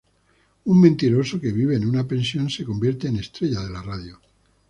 Un mentiroso que vive en una pensión se convierte en estrella de la radio.